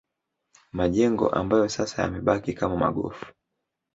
Majengo ambayo sasa yamebaki kama magofu